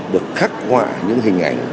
được khắc họa những hình ảnh